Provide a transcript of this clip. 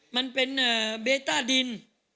มันเป็นเบต้าดิน